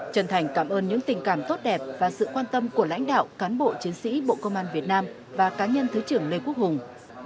trần thành cảm ơn những tình cảm tốt đẹp và sự quan tâm của lãnh đạo cán bộ chiến sĩ bộ công an việt nam và cá nhân thứ trưởng lê quốc hùng